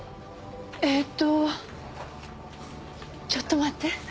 えーっとちょっと待って。